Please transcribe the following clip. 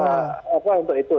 apa untuk itu